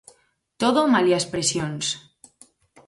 Todo malia as "presións".